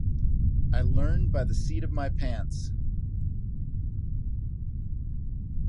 I learned by the seat of my pants.